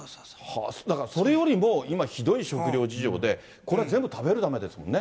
それよりも今、ひどい食料事情で、これ、全部食べるためですもんね。